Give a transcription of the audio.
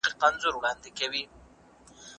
هغه خپل لویدلی لاس وښود، ساتونکو یې ونه منله.